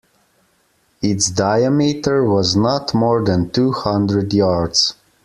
Its diameter was not more than two hundred yards.